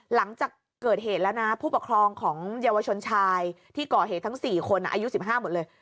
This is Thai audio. หลังจากเกิดเหตุแล้วนะผู้ปกครองของเยาวชนชายที่ก่อเหตุทั้ง๔คนอายุ๑๕หมดเลย